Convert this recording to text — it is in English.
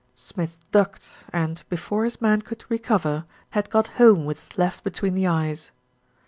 Smith ducked and, before his man could recover, had got home with his left be tween the eyes.